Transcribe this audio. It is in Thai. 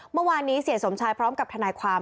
เมื่อวานนี้เสียสมชายพร้อมกับทนายความ